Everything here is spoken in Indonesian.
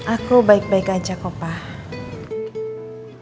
aku baik baik aja kok pak